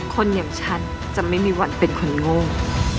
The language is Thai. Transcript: คนอย่างฉันจะไม่มีวันเป็นคนโง่